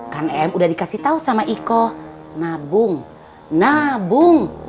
kan m udah dikasih tahu sama iko nabung nabung